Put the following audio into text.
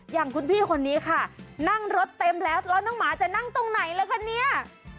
อย่างคุณพี่คนนี้ค่ะนั่งรถเต็มแล้วแล้วน้องหมาจะนั่งตรงไหนล่ะคะเนี่ย